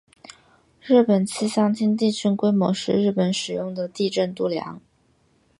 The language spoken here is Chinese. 日本气象厅地震规模是日本使用的地震度量。